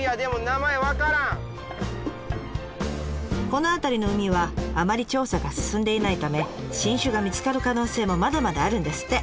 この辺りの海はあまり調査が進んでいないため新種が見つかる可能性もまだまだあるんですって。